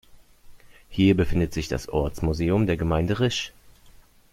Hier befindet sich das "Ortsmuseum" der Gemeinde Risch.